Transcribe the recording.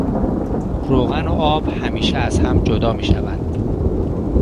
روغن و آب همیشه از هم جدا میشوند.